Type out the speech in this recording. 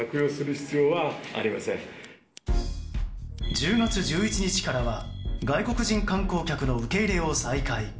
１０月１１日からは外国人観光客の受け入れを再開。